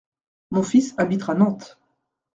Mon fils habitera Nantes…